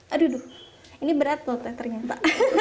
aduh ini berat loh teh ternyata